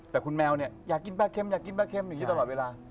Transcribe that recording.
แต่คุณแมวเนี่ยอยากกินปลาเค็มอยากกินปลาเค็มอย่างนี้ตลอดเวลา